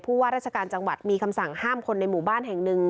ว่าราชการจังหวัดมีคำสั่งห้ามคนในหมู่บ้านแห่งหนึ่ง